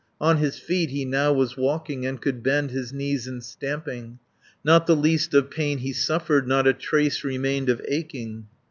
On his feet he now was walking And could bend his knees in stamping; Not the least of pain he suffered, Not a trace remained of aching.